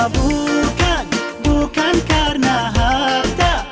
bukan bukan karena harta